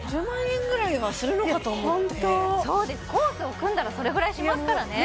円ぐらいはするのかと思ってそうですコースを組んだらそれぐらいしますからね